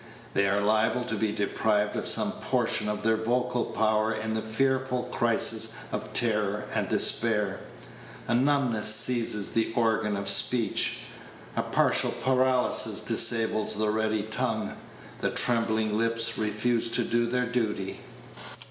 They are liable to be deprived of some portion of their vocal power in the fearful crisis of terror and despair. A numbness seizes the organ of speech; a partial paralysis disables the ready tongue; the trembling lips refuse to do their duty.